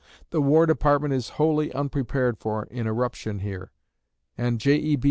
The War Department is wholly unprepared for an irruption here, and J.E.B.